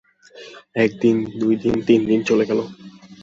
এক দিন দুই দিন তিনদিন চলে গেল।